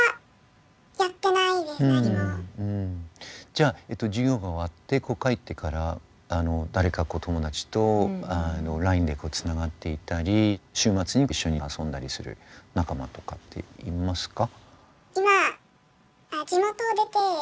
じゃあ授業が終わって帰ってから誰か友達とＬＩＮＥでつながっていたり週末に一緒に遊んだりする仲間とかっていますか？